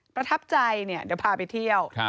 ประทับใจเดี๋ยวพาไปเที่ยว